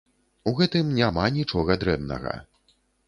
У гэтым няма нічога дрэннага.